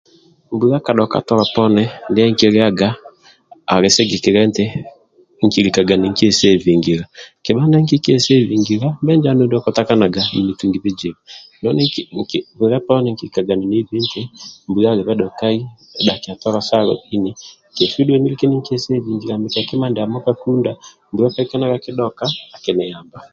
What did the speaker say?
Mbula kadhoka tolo poni ndie nkiliaga ali sigikilia nti nkilikaga ninike sevingilia kebha ndie kikiesevingilia menjo andulu ndio okutakanaga ninitungi bizibu noni bwile poni nkilikaga nini ibi eti mbula alibe dhokai dhakia tolo salo ini kesi odhuwe nilike ninkie sevingilia mikia kima ndiamo ka kunda